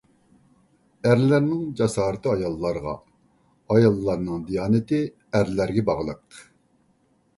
ئەرلەرنىڭ جاسارىتى ئاياللارغا، ئاياللارنىڭ دىيانىتى ئەرلەرگە باغلىق.